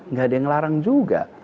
nggak ada yang larang juga